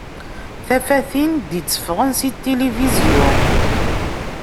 Tafatin d-itteffɣen si tilifizyu.